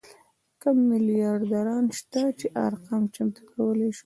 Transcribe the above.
کم میلیاردران شته چې ارقام چمتو کولی شو.